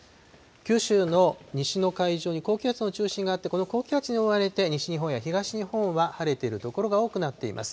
九州の西の海上に高気圧の中心があって、この高気圧に覆われて、西日本や東日本は晴れている所が多くなっています。